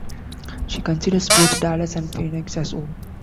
She considers both Dallas and Phoenix as "Home".